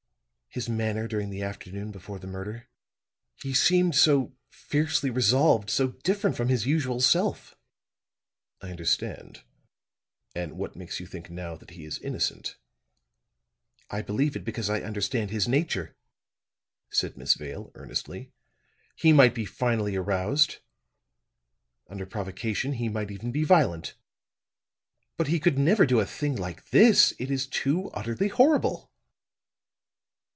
"His manner during the afternoon before the murder. He seemed so fiercely resolved, so different from his usual self." "I understand. And what makes you think now that he is innocent?" "I believe it because I understand his nature," said Miss Vale, earnestly. "He might be finally aroused under provocation he might even be violent. But he could never do a thing like this it is too utterly horrible."